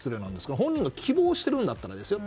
本人が希望しているんだったらですよ。